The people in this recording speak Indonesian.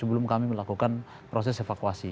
bukan proses evakuasi